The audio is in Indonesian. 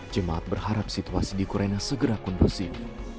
jemaat berharap situasi di ukraina segera kondusif